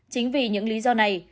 chính vì những lý do này